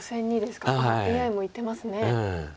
あっＡＩも言ってますね。